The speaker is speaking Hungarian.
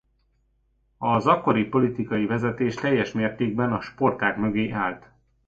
Az akkori politikai vezetés teljes mértékben a sportág mögé állt.